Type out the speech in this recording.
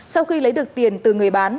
sau khi lấy được tiền từ người bán